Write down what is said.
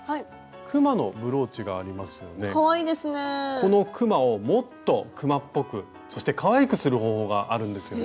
このくまをもっとくまっぽくそしてかわいくする方法があるんですよね。